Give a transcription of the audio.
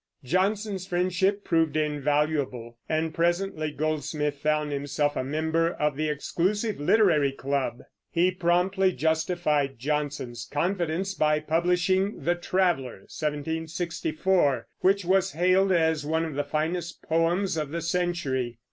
Johnson's friendship proved invaluable, and presently Goldsmith found himself a member of the exclusive Literary Club. He promptly justified Johnson's confidence by publishing The Traveller (1764), which was hailed as one of the finest poems of the century.